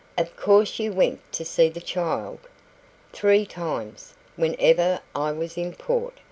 "Of course you went to see the child?" "Three times whenever I was in port.